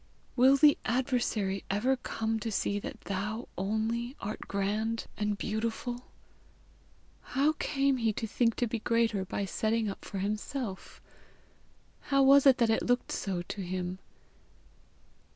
Will the Adversary ever come to see that thou only art grand and beautiful? How came he to think to be greater by setting up for himself? How was it that it looked so to him?